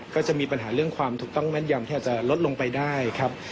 ก็จะมีปัญหาเรื่องความถูกต้องแม่นยำที่อาจจะลดลงไปได้ครับ